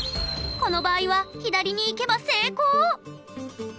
この場合は左に行けば成功！